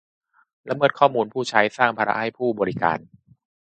ละเมิดข้อมูลผู้ใช้ สร้างภาระผู้ให้บริการ